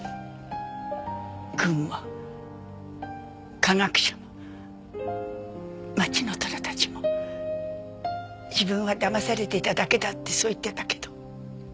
軍も科学者も町の大人たちも自分はだまされていただけだってそう言ってたけど。